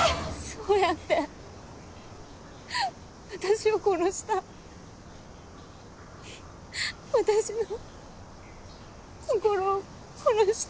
そうやって私を殺した私の心を殺した。